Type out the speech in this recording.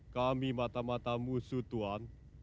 kami mata matamu su tuan